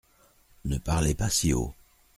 Ne parlez pas si haut.